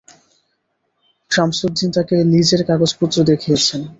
সামসুদ্দিন তাঁকে লিজের কাগজপত্র দেখিয়েছেন।